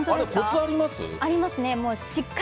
ありますね。